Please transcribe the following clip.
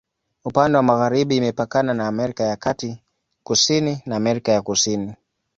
Upande wa magharibi imepakana na Amerika ya Kati, kusini na Amerika ya Kusini.